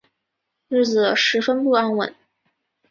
日子十分不安稳